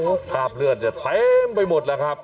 โอ้โหภาพเลือดเนี่ยแท้มไปหมดแล้วครับ